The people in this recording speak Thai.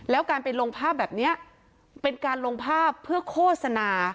แล้วการไปลงภาพแบบนี้เป็นการลงภาพเพื่อโฆษณา